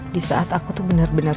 disaat aku tuh bener bener